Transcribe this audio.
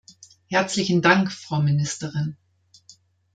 Herzlichen Dank, Frau Ministerin.